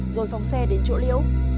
rồi phong xe đến chỗ liễu